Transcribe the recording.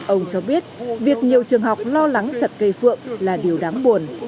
ông cho biết việc nhiều trường học lo lắng chặt cây phượng là điều đáng buồn